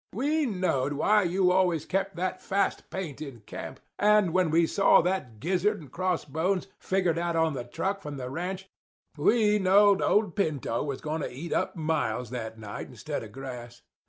We knowed why you always kept that fast paint in camp. And when we see that gizzard and crossbones figured out on the truck from the ranch we knowed old Pinto was goin' to eat up miles that night instead of grass.